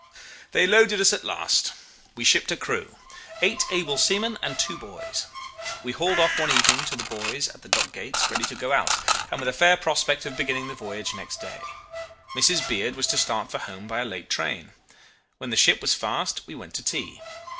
"They loaded us at last. We shipped a crew. Eight able seamen and two boys. We hauled off one evening to the buoys at the dock gates, ready to go out, and with a fair prospect of beginning the voyage next day. Mrs. Beard was to start for home by a late train. When the ship was fast we went to tea.